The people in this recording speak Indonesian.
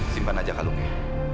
simpan aja kalungnya